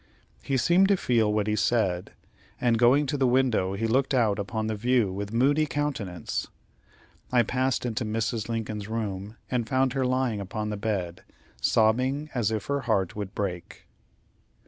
He seemed to feel what he said, and going to the window, he looked out upon the view with moody countenance. I passed into Mrs. Lincoln's room, and found her lying upon the bed, sobbing as if her heart would break.